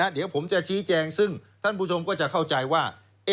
เดี๋ยวผมจะชี้แจงซึ่งท่านผู้ชมก็จะเข้าใจว่า